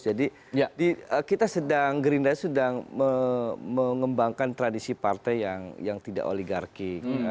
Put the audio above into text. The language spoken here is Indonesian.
jadi kita sedang gerindra sedang mengembangkan tradisi partai yang tidak oligarki